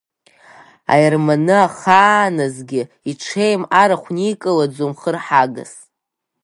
Аерманы ахааназгьы иҽеим арахә никылаӡом хырҳагас.